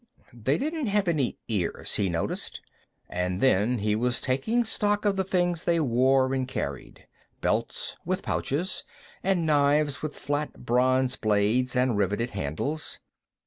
They didn't have any ears, he noticed, and then he was taking stock of the things they wore and carried. Belts, with pouches, and knives with flat bronze blades and riveted handles.